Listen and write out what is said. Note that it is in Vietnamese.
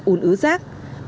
tình trạng un ứ rác